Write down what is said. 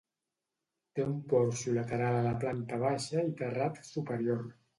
Té un porxo lateral a la planta baixa i terrat superior.